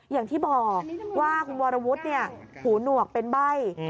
อย่างที่บอกว่าคุณวรวุฒิหูหนวกเป็นใบ้